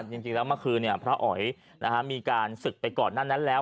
จริงแล้วเมื่อคืนพระอ๋อยมีการศึกไปก่อนหน้านั้นแล้ว